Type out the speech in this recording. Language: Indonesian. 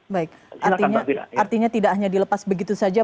baik artinya tidak hanya dilepas begitu saja